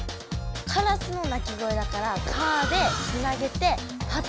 カラスの鳴き声だから「カー」でつなげて「パトカー」。